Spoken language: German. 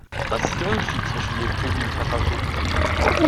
Was ist der Unterschied zwischen Lebkuchen und Pfefferkuchen?